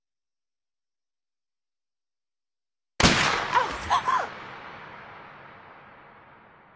あっ！